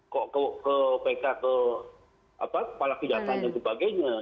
ke pk kepala kejaksaan dan sebagainya